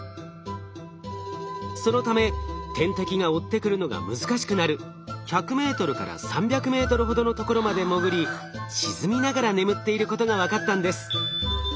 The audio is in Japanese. そのため天敵が追ってくるのが難しくなる１００ｍから３００ｍほどの所まで潜り沈みながら眠っていることが分かったんです。